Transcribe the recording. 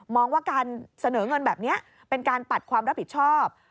ว่าการเสนอเงินแบบนี้เป็นการปัดความรับผิดชอบ